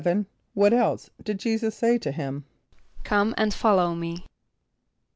= What else did J[=e]´[s+]us say to him? ="Come and follow me."